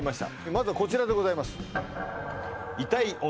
まずはこちらでございます